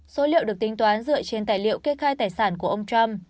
số liệu được tính toán dựa trên tài liệu kê khai tài sản của ông trump